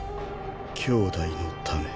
兄弟のため。